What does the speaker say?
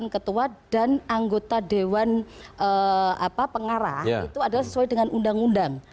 ketua dan anggota dewan pengarah itu adalah sesuai dengan undang undang